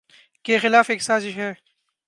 کے خلاف ایک سازش ہے۔